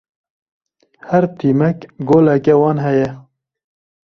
Her tîmek goleka wan heye.